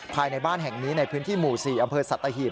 ภายในบ้านแห่งนี้ในพื้นที่หมู่๔อำเภอสัตหีบ